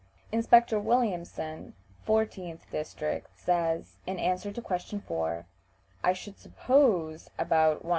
Inspector Williamson, 14th district, says, in answer to question 4, "I should suppose about 125."